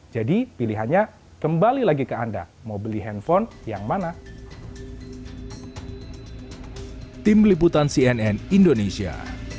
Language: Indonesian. jadi pilihannya kembali lagi ke anda mau beli handphone yang mana